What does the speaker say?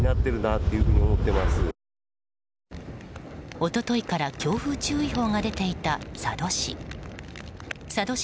一昨日から強風注意報が出ていた佐渡市。